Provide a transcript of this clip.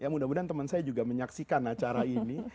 mudah mudahan teman saya juga menyaksikan acara ini